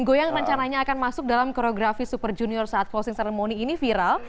goyang rencananya akan masuk dalam koreografi super junior saat closing ceremony ini viral